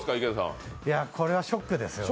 これはショックですよね。